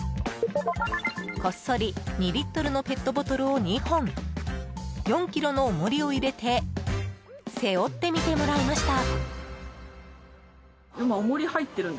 こっそり２リットルのペットボトルを２本４ｋｇの重りを入れて背負ってみてもらいました。